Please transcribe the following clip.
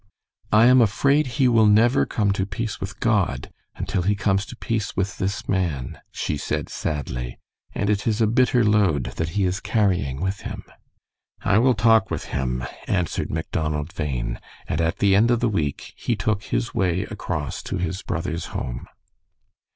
"I am afraid he will never come to peace with God until he comes to peace with this man," she said, sadly, "and it is a bitter load that he is carrying with him." "I will talk with him," answered Macdonald Bhain, and at the end of the week he took his way across to his brother's home.